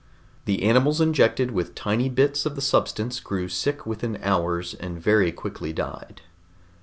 The animals injected with tiny bits of the substance grew sick within hours and very quickly died.